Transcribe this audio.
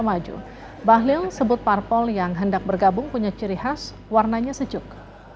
bahlil sebut parpol yang hendak bergabung punya ciri khas warnanya sejuk